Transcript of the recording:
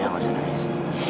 ya gak usah nangis